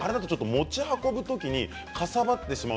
持ち運びの時にかさばってしまう。